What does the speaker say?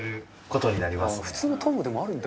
「普通のトングでもある」